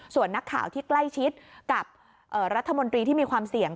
ส่วนนักข่าวที่ใกล้ชิดกับรัฐมนตรีที่มีความเสี่ยง